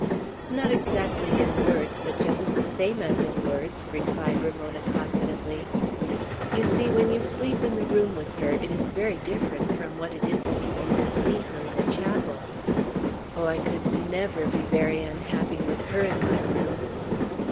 "Not exactly in words; but just the same as in words," replied Ramona, confidently. "You see when you sleep in the room with her, it is very different from what it is if you only see her in a chapel. Oh, I could never be very unhappy with her in my room!"